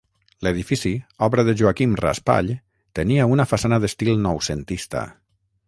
L'edifici, obra de Joaquim Raspall, tenia una façana d'estil noucentista.